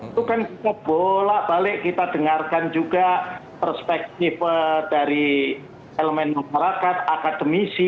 itu kan kita bolak balik kita dengarkan juga perspektif dari elemen masyarakat akademisi